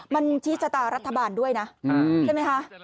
มันชี้ชะตารัฐบาลด้วยนะใช่ไหมคะ